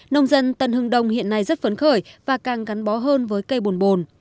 nông dân tân hưng đông hiện nay rất phấn khởi và càng gắn bó hơn với cây bồn bồn